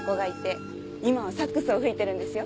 今はサックスを吹いてるんですよ。